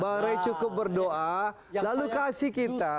pak rey cukup berdoa lalu kasih kita